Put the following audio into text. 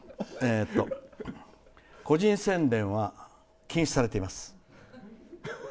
個人宣伝は禁止されています。